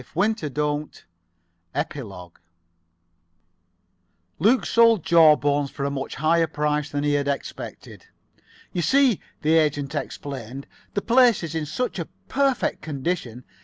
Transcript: [Pg 87] EPILOGUE Luke sold Jawbones for a much higher price than he had expected. "You see," the agent explained, "the place is in such a perfect condition.